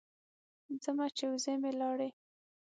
ځمه چې وزې مې لاړې.